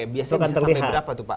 biasanya bisa sampai berapa tuh pak